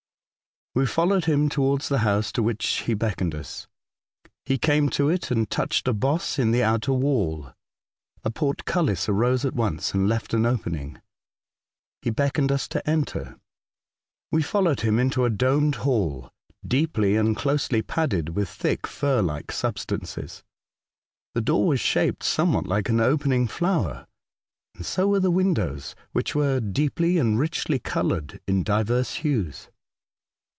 We followed him towards the liouse to which he beckoned us. He came to it and touched a boss in the outer wall. A portcullis Tycho Island. 109 arose at once, and left an opening. He beckoned to us to enter. We followed him into a domed hall, deeply and closely padded with thick fur like substances. The door was shaped someAvhat like an opening flower, and so were the windows, which were deeply and richly coloured in divers hues.